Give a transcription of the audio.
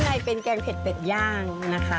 ในนี้เป็นแกงเพร็ดย่างนะคะ